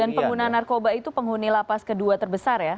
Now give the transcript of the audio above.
dan pengguna narkoba itu penghuni lapas kedua terbesar ya